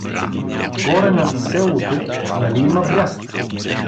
Горе над селото нали има бряст?